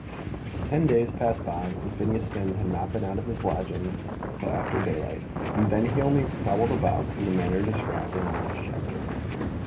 Ten days passed by, and Phineas Finn had not been out of his lodgings till after daylight, and then he only prowled about in the manner described in the last chapter.